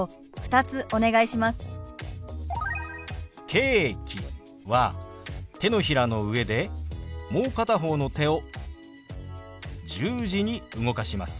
「ケーキ」は手のひらの上でもう片方の手を十字に動かします。